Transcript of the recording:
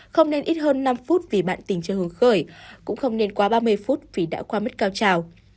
không nên ít hơn năm phút vì bạn tình cho hướng khởi cũng không nên quá ba mươi phút vì đã qua mất cao trào